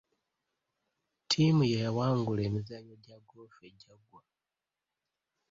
Ttiimu ye yawangula emizannyo gya goofu egyaggwa.